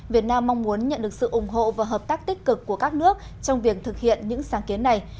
việt nam mong muốn nhận được sự ủng hộ và hợp tác tích cực của các nước trong việc thực hiện những sáng kiến này